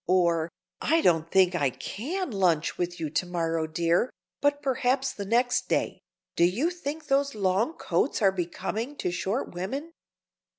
or,—"I don't think I can lunch with you to morrow, dear, but perhaps the next day," "Do you think those long coats are becoming to short women?"